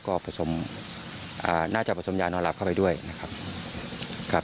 ก็ประสมน่าจะประสมย่านนอนหลับเข้าไปด้วยนะครับ